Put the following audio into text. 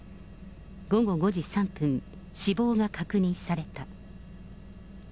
午後５時３分、死亡が確認された。